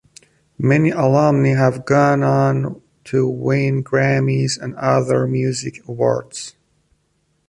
Many alumni have gone on to win Grammy's and other music awards.